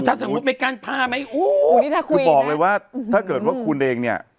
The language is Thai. ถ้าสมมุติไม่กั้นผ้าไหมคุณบอกเลยว่าถ้าเกิดว่าคุณเองเนี่ย